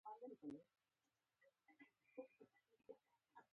خپل غمونه مې ډېر و، د احمد هم را باندې بار شول.